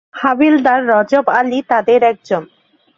হাবিলদার রজব আলী তাদের একজন।